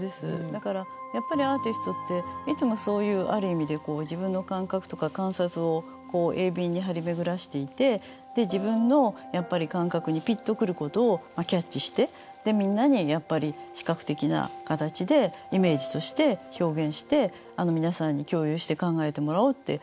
だからやっぱりアーティストっていつもそういうある意味で自分の感覚とか観察を鋭敏に張り巡らしていて自分のやっぱり感覚にピッとくることをキャッチしてでみんなにやっぱり視覚的な形でイメージとして表現して皆さんに共有して考えてもらおうっていつも思ってますね